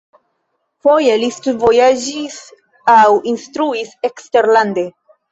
Foje li studvojaĝis aŭ instruis eksterlande.